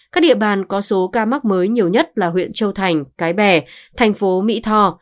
các địa bàn có số ca mắc mới nhiều nhất là huyện châu thành cái bè thành phố mỹ tho